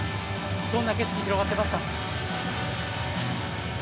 どんな景色が広がってましたか？